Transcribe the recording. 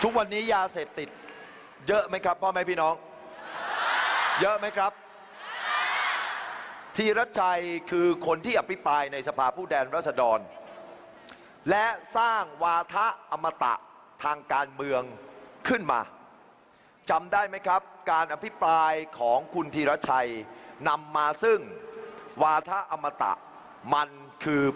ยาเสพติดเยอะไหมครับพ่อแม่พี่น้องเยอะไหมครับธีรชัยคือคนที่อภิปรายในสภาพผู้แทนรัศดรและสร้างวาธะอมตะทางการเมืองขึ้นมาจำได้ไหมครับการอภิปรายของคุณธีรชัยนำมาซึ่งวาธะอมตะมันคือ